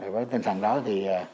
với tình trạng đó thì